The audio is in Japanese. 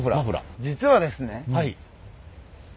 実はですね